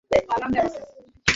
চপ্পল জোড়া দিন।